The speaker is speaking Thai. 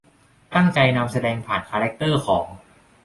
ตั้งใจนำแสดงผ่านคาแรกเตอร์ของ